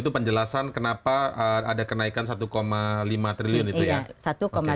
itu penjelasan kenapa ada kenaikan satu lima triliun itu ya